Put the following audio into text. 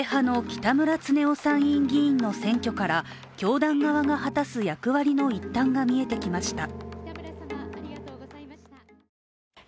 北村経夫参院議員の選挙から教団側が果たす役割の一端が見えてきました。